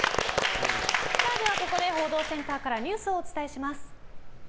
では、ここで報道センターからニュースをお伝えします。